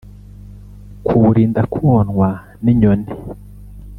kuwurinda konwa n’inyoni